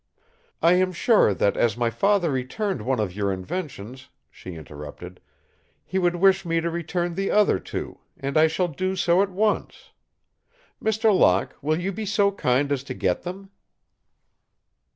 "I am sure that, as my father returned one of your inventions," she interrupted, "he would wish me to return the other two, and I shall do so at once. Mr. Locke, will you be so kind as to get them?"